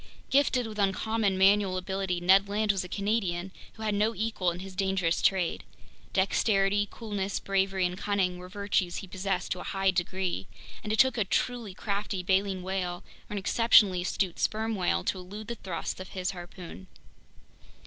Gifted with uncommon manual ability, Ned Land was a Canadian who had no equal in his dangerous trade. Dexterity, coolness, bravery, and cunning were virtues he possessed to a high degree, and it took a truly crafty baleen whale or an exceptionally astute sperm whale to elude the thrusts of his harpoon.